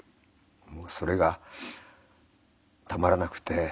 もうそれがたまらなくて。